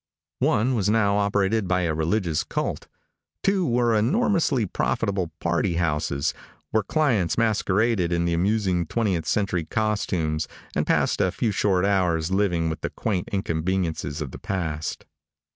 One was now operated by a religious cult. Two were enormously profitable party houses, where clients masqueraded in the amusing twentieth century costumes and passed a few short hours living with the quaint inconveniences of the past.